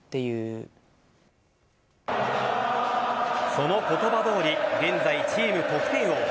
その言葉どおり現在チーム得点王。